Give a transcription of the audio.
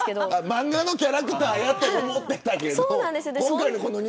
漫画のキャラクターだと思っていたけど。